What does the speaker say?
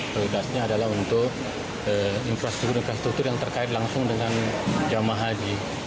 prioritasnya adalah untuk infrastruktur infrastruktur yang terkait langsung dengan jamaah haji